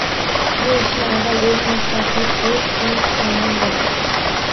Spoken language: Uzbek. Bir ishni avval o'ylamasdan qilib ko'yib, keyin pushaymon bo'ladi.